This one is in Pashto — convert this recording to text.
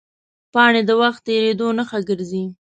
پاڼې د وخت تېرېدو نښه ګرځي